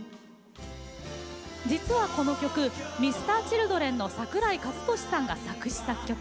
実は、この曲Ｍｒ．Ｃｈｉｌｄｒｅｎの桜井和寿さんが作詞・作曲。